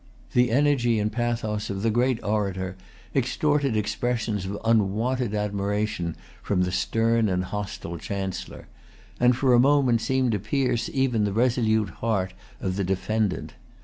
The energy and pathos of the great orator extorted expressions of unwonted admiration from the stern and hostile Chancellor, and, for a moment, seemed to pierce even the resolute heart of the defendant.